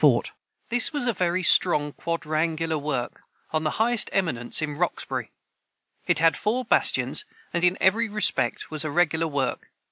[Footnote 137: This was a very strong quadrangular work, on the highest eminence in Roxbury. It had four bastions, and in every respect was a regular work.